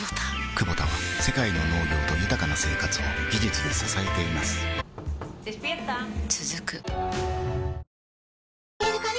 クボタは世界の農業と豊かな生活を技術で支えています起きて。